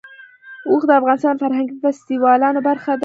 اوښ د افغانستان د فرهنګي فستیوالونو برخه ده.